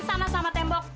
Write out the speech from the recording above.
kenalan sana sama tembok